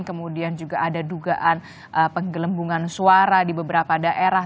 kemudian juga ada dugaan penggelembungan suara di beberapa daerah